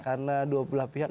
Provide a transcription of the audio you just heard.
karena dua belah pihak